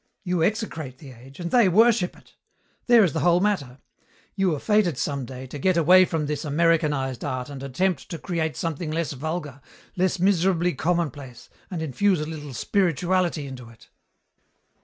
You execrate the age and they worship it. There is the whole matter. You were fated some day to get away from this Americanized art and attempt to create something less vulgar, less miserably commonplace, and infuse a little spirituality into it.